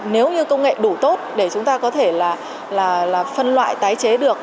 nếu như công nghệ đủ tốt để chúng ta có thể là phân loại tái chế được